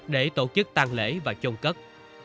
để tổ chức tàn lễ và chôn cất